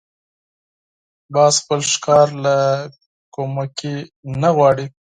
باز خپل ښکار له کومکي نه غواړي